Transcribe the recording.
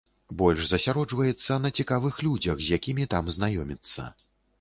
Больш засяроджваецца на цікавых людзях, з якімі там знаёміцца.